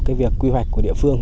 cái việc quy hoạch của địa phương